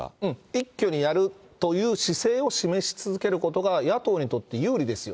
一挙にやるという姿勢を示し続けることが、野党にとって有利ですよ。